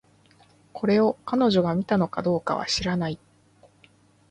これを、彼女が見たのかどうかは知らない